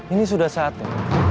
ini sudah saatnya